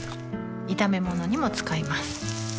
炒め物にも使います